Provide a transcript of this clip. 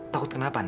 takut kenapa nad